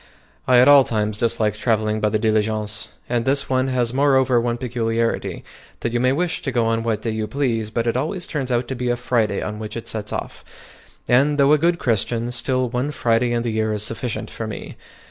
I at all times dislike travelling by the diligence, and this one has moreover one peculiarity, that you may wish to go on what day you please, but it always turns out to be a Friday on which it sets off; and though a good Christian, still one Friday in the year is sufficient for me.